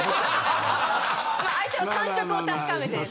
まあ相手の感触を確かめて。